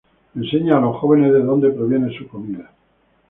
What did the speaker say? Enseñan a los jóvenes de dónde proviene su comida.